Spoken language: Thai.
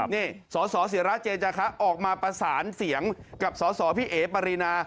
นี่สสิระเจนจาคะออกมาประสานเสียงกับสสพี่เอ๋ปรินา